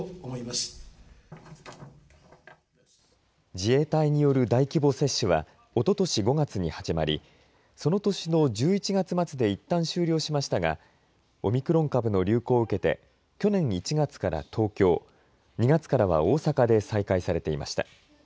自衛隊による大規模接種はおととし５月に始まりその年の１１月末でいったん終了しましたがオミクロン株の流行を受けて去年１月から東京２月からは大阪で再開されていました。